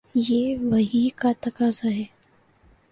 یہ وحی کا تقاضا ہے۔